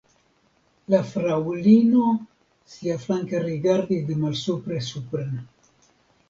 La fraŭlino siaflanke rigardis de malsupre supren.